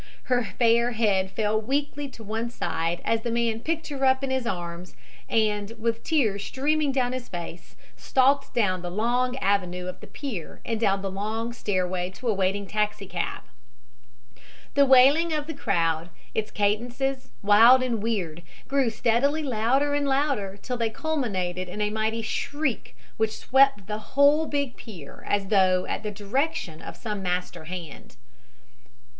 Her fair head fell weakly to one side as the man picked her up in his arms, and, with tears streaming down his face, stalked down the long avenue of the pier and down the long stairway to a waiting taxicab. The wailing of the crowd its cadences, wild and weird grew steadily louder and louder till they culminated in a mighty shriek, which swept the whole big pier as though at the direction of some master hand.